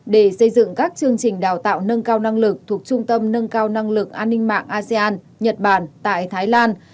để xây dựng các chương trình đào tạo nâng cao năng lực thuộc trung tâm nâng cao năng lực an ninh mạng asean nhật bản tại thái lan